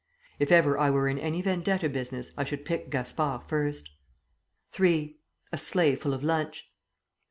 (If ever I were in any vendetta business I should pick Gaspard first.) (3) A sleigh full of lunch.